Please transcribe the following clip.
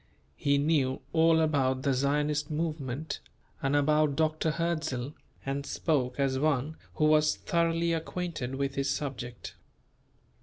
He knew all about the Zionist movement and about Dr. Hertzl and spoke as one who was thoroughly acquainted with his subject.